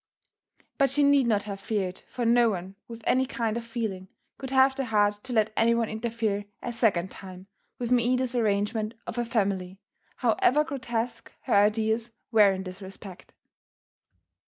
But she need not have feared for no one with any kind of feeling could have the heart to let anyone interfere a second time with Maida's arrangement of a family however grotesque her ideas were in this respect.